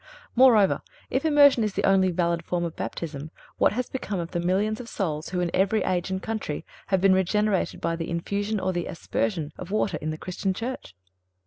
Moreover, if immersion is the only valid form of Baptism, what has become of the millions of souls who, in every age and country, have been regenerated by the infusion or the aspersion of water in the Christian Church?